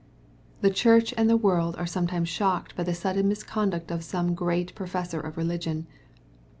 The church and the world are some* times shocked by the sudden misconduct of some great professor of religion.